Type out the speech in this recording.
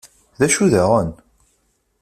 D acu daɣen?